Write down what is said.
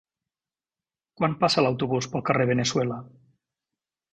Quan passa l'autobús pel carrer Veneçuela?